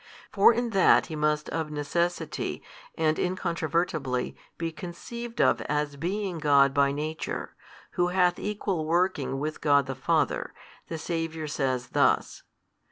For in that He must of necessity and incontrovertibly be conceived of as being God by Nature, Who hath Equal working with God the Father, the Saviour says thus.